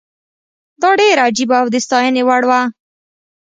دا ډېره عجیبه او د ستاینې وړ وه.